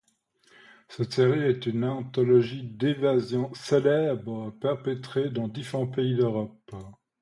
Cette série est une anthologie d'évasions célèbres perpétrées dans différents pays d'Europe.